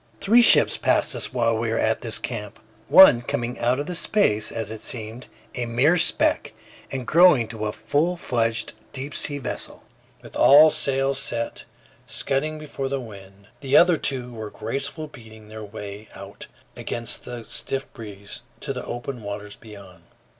Three ships passed us while we were at this camp, one coming from out of space, as it seemed, a mere speck, and growing to a full fledged deep sea vessel, with all sails set, scudding before the wind. The other two were gracefully beating their way out against the stiff breeze to the open waters beyond.